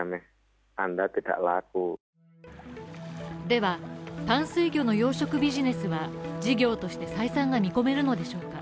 では、淡水魚の養殖ビジネスは事業として採算が見込めるのでしょうか？